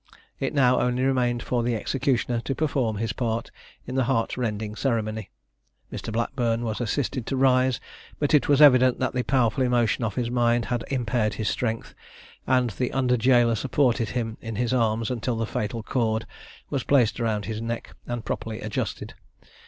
It now only remained for the executioner to perform his part in the heart rending ceremony. Mr. Blackburn was assisted to rise, but it was evident that the powerful emotion of his mind had impaired his strength, and the under jailor supported him in his arms until the fatal cord was placed round his neck, and properly adjusted.